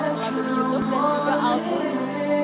selalu di youtube dan juga album